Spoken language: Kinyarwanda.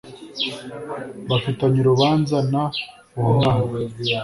bafitanye urubanza n uwo mwana